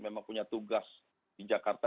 memang punya tugas di jakarta